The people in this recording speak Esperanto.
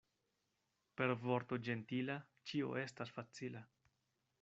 Per vorto ĝentila ĉio estas facila.